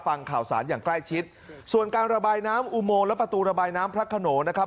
ฟังข่าวสารอย่างใกล้ชิดส่วนการระบายน้ำอุโมงและประตูระบายน้ำพระขนงนะครับ